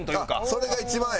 それが一番ええ。